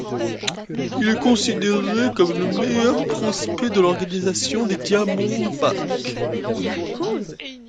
Il est considéré comme le meilleur prospect de l'organisation des Diamondbacks.